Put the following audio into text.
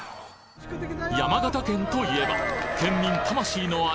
山形県といえば県民魂の味